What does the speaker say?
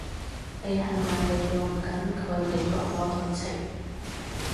你係咪利用緊佢嚟博我同情？